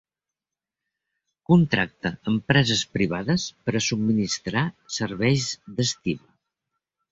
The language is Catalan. Contracta empreses privades per a subministrar serveis d'estiba.